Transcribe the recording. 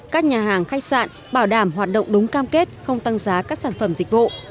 các nhà hàng khách sạn bảo đảm hoạt động đúng cam kết không tăng giá các sản phẩm dịch vụ